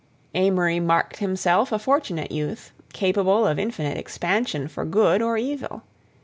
Amory marked himself a fortunate youth, capable of infinite expansion for good or evil.